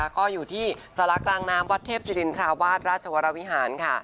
ก็อยู่ที่สารกลางน้ำวัดเทพศิรินทราวาสราชวรวิหารค่ะ